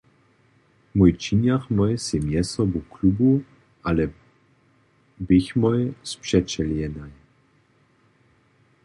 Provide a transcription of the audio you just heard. Mój činjachmoj sej mjezsobu klubu, ale běchmoj spřećelenaj.